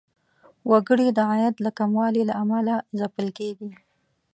وګړي د عاید د کموالي له امله ځپل کیږي.